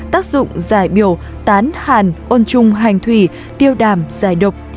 tác dụng giải biểu tán hàn ôn chung hành thủy tiêu đàm giải độc